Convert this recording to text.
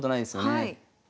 はい。